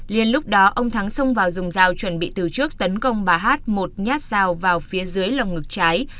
liên lúc đó ông thắng xông vào dùng dao chuẩn bị từ trước tấn công bà h một nhát dao vào phía dưới lòng ngực trái